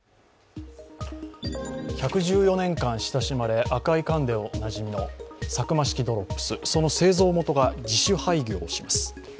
１１４年間親しまれ、赤い缶でおなじみのサクマ式ドロップス、その製造元が自主廃業します。